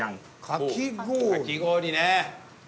かき氷ね。